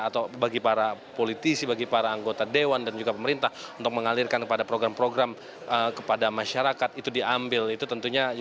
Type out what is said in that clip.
atau bagi para politisi bagi para anggota dewan dan juga pemerintah untuk mengalirkan kepada program program kepada masyarakat